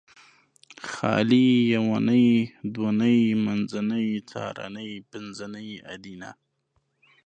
خالي یونۍ دونۍ منځنۍ څارنۍ پنځنۍ ادینه